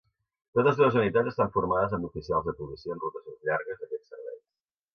Totes dues unitats estan formades amb oficials de policia en rotacions llargues a aquests serveis.